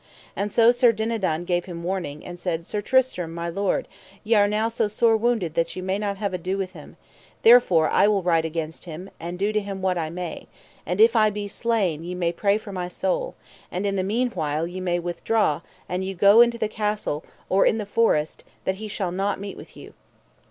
And so Sir Dinadan gave him warning, and said: Sir Tristram, my lord, ye are so sore wounded that ye may not have ado with him, therefore I will ride against him and do to him what I may, and if I be slain ye may pray for my soul; and in the meanwhile ye may withdraw you and go into the castle, or in the forest, that he shall not meet with you.